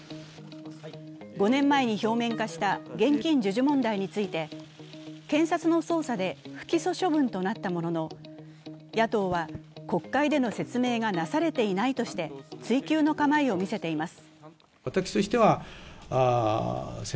５年前に表面化した現金授受問題について、検察の捜査で不起訴処分となったものの、野党は、国会での説明がなされていないとして追及の構えを見せています。